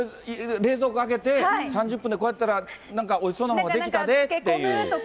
冷蔵庫開けて３０分でこうやったらなんかおいしそうなものができたよとか。